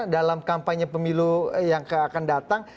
dalam kampanye pemilu yang akan datang